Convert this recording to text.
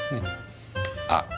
あっ！